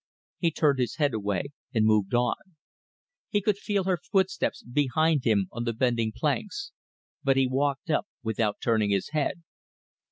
He turned his head away and moved on. He could feel her footsteps behind him on the bending planks, but he walked up without turning his head.